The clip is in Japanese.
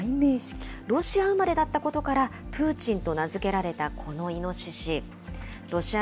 ロシア生まれだったことから、プーチンと名付けられたこのイノシシ。